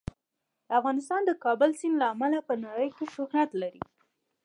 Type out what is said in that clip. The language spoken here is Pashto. افغانستان د کابل سیند له امله په نړۍ شهرت لري.